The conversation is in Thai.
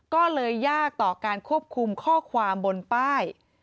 ก็เลยยากต่อการควบคุมข้อความบนป้าย